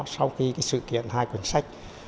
sau khi sự kiện hai cuốn sách